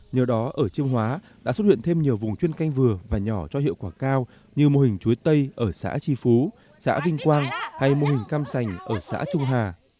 nhờ đó ở chiêm hóa đã xuất hiện thêm nhiều vùng chuyên canh vừa và nhỏ cho hiệu quả cao như mô hình chuối tây ở xã tri phú xã vinh quang hay mô hình cam sành ở xã trung hà